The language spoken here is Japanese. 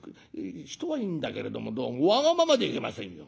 人はいいんだけれどもどうもわがままでいけませんよ。